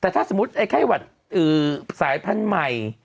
แต่ถ้าสมมุติไอ้ไข้หวัดสายพันธุ์ใหม่